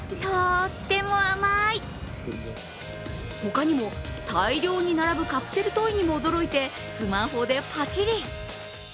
他にも、大量に並ぶカプセルトイにも驚いてスマホでパチリ。